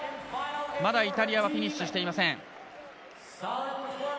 まだイタリアはフィニッシュしていません。